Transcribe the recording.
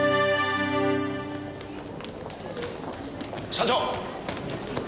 「」社長！